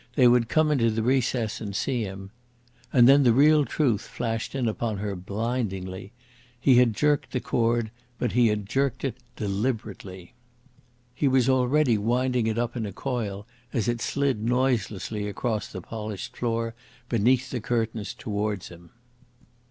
They would come into the recess and see him. And then the real truth flashed in upon her blindingly. He had jerked the cord, but he had jerked it deliberately. He was already winding it up in a coil as it slid noiselessly across the polished floor beneath the curtains towards him.